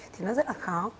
thì nó rất là khó